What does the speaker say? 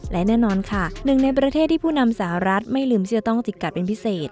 และแน่นอนค่ะหนึ่งในประเทศที่ผู้นำสหรัฐไม่ลืมที่จะต้องจิกกัดเป็นพิเศษ